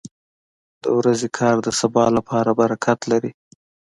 • د ورځې کار د سبا لپاره برکت لري.